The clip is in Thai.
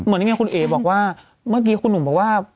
อย่างนี้ไงคุณเอ๋บอกว่าเมื่อกี้คุณหนุ่มบอกว่า